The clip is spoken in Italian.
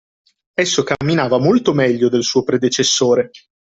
Esso camminava molto meglio del suo predecessore